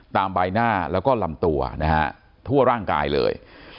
ใบหน้าแล้วก็ลำตัวนะฮะทั่วร่างกายเลย